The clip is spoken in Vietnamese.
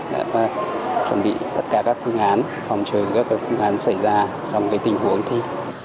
đã chuẩn bị tất cả các phương án phòng trừ các phương án xảy ra trong tình huống thi